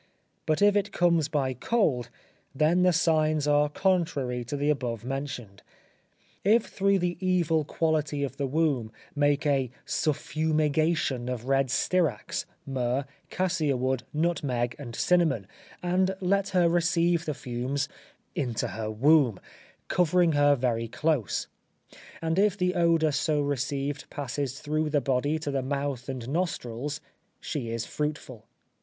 But if it comes by cold, then the signs are contrary to the above mentioned. If through the evil quality of the womb, make a suffumigation of red styrax, myrrh, cassia wood, nutmeg, and cinnamon; and let her receive the fumes into her womb, covering her very close; and if the odour so received passes through the body to the mouth and nostrils, she is fruitful.